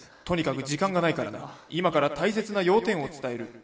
とにかく時間がないからな今から大切な要点を伝える。